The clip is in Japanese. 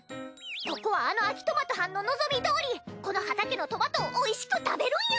ここはあの秋トマトはんの望みどおりこの畑のトマトをおいしく食べるんや！